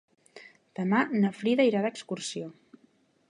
Demà na Frida irà d'excursió.